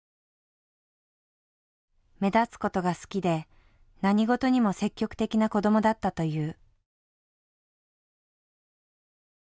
目立つことが好きで何事にも積極的な子どもだったという。